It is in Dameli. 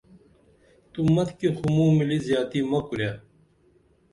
تو مَتِکی خو موں ملی زیاتی مہ کُرے